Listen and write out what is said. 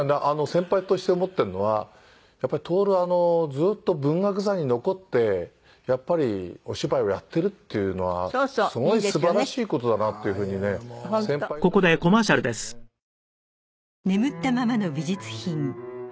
先輩として思ってるのはやっぱり徹ずっと文学座に残ってやっぱりお芝居をやってるっていうのはすごい素晴らしい事だなっていうふうにね先輩として思ってますけどね。